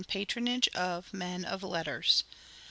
patrcmage of men of letters.